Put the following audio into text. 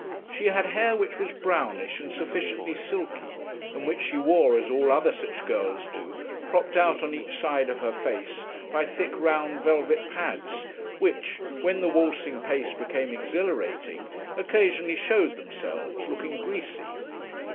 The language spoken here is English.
She had hair which was brownish and sufficiently silky and which she wore, as all other such girls do, propped out on each side of her face by thick round velvet pads, which, when the waltzing pace became exhilarating, occasionally showed themselves, looking greasy.